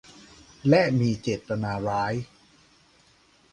และมีเจตนาร้าย